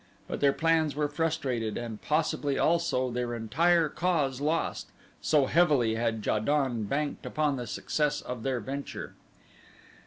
But their plans were frustrated and possibly also their entire cause lost, so heavily had Ja don banked upon the success of their venture.